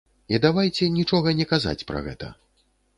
І давайце нічога не казаць пра гэта.